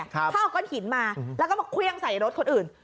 เขาเอาก้อนหินมาแล้วก็มาเครื่องใส่รถคนอื่น